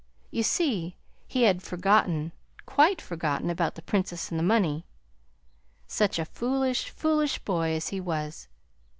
You see he had forgotten quite forgotten about the Princess and the money. Such a foolish, foolish boy as he was!